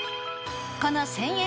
この１０００円